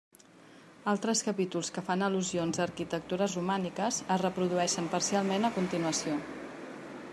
Altres capítols, que fan al·lusions a arquitectures romàniques, es reprodueixen parcialment a continuació.